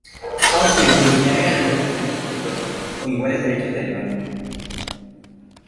Austria y Prusia eran las dos potencias protectoras, con iguales derechos, de Alemania.